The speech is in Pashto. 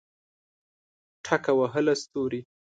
ټک وهله ستوري